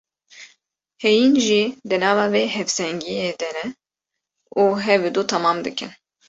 Heyîn jî di nava vê hevsengiyê de ne û hev û temam dikin.